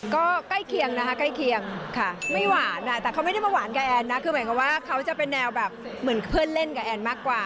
ก็ใกล้เคียงนะคะใกล้เคียงค่ะไม่หวานแต่เขาไม่ได้มาหวานกับแอนนะคือหมายความว่าเขาจะเป็นแนวแบบเหมือนเพื่อนเล่นกับแอนมากกว่า